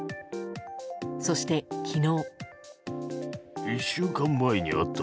そして、昨日。